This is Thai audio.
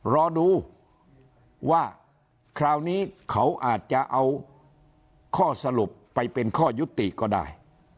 รอดูว่าคราวนี้เขาอาจจะเอาข้อสรุปไปเป็นข้อยุติก็ได้